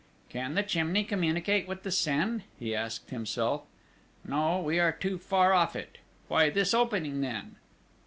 "Can the chimney communicate with the Seine?" he asked himself. "No, we are too far off it. Why this opening, then?...